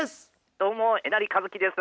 どうもえなりかずきです。